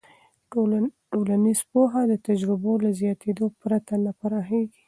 ټولنیز پوهه د تجربو له زیاتېدو پرته نه پراخېږي.